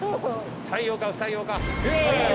採用か不採用か。